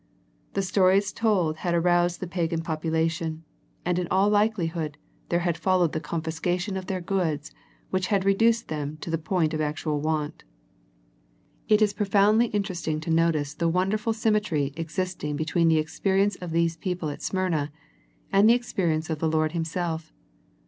The stories told had aroused the pagan population, and in all likelihood, there had followed the confiscation of their goods which had reduced them to the point of actual want. It is profoundly inter esting to notice the wonderful similarity ex 62 A First Century Message isting between the experience of these people at Smyrna, and the experience of the Lord Himself.